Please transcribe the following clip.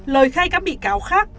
lời khai các bị cáo khác